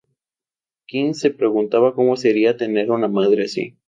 King se preguntaba como sería tener una madre así.